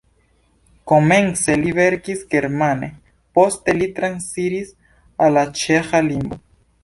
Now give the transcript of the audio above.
Komence li verkis germane, poste li transiris al la ĉeĥa lingvo.